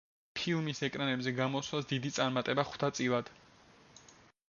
ფილმის ეკრანებზე გამოსვლას დიდი წარმატება ხვდა წილად.